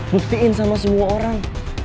buktiin sama semua orang